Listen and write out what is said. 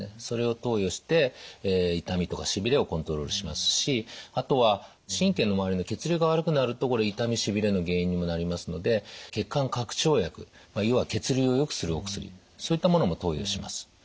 それを投与して痛みとかしびれをコントロールしますしあとは神経の周りの血流が悪くなると痛みしびれの原因にもなりますので血管拡張薬要は血流をよくするお薬そういったものも投与します。